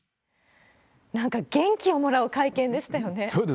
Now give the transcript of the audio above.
なんか元気をもらう会見でしたよね。